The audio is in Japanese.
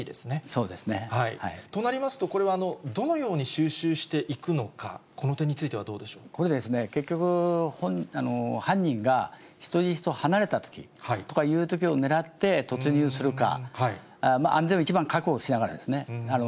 そうですね。となりますと、これはどのように収拾していくのか、この点についてはどうでしょ結局、犯人が人質と離れたときとかいうときを狙って、突入するか、安全を一番確保しながらですね。